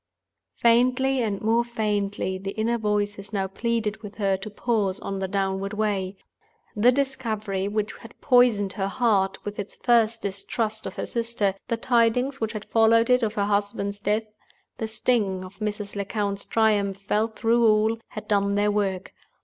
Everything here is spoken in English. Faintly and more faintly the inner voices now pleaded with her to pause on the downward way. The discovery which had poisoned her heart with its first distrust of her sister; the tidings which had followed it of her husband's death; the sting of Mrs. Lecount's triumph, felt through all, had done their work.